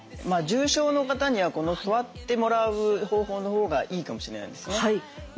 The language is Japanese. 重症の方にはこの座ってもらう方法のほうがいいかもしれないですね。